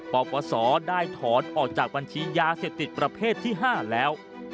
ปปศได้ถอนออกจากบัญชียาเสพติดประเภทที่๕แล้ว